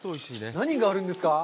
何があるんですか？